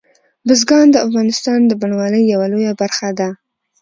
بزګان د افغانستان د بڼوالۍ یوه لویه برخه ده.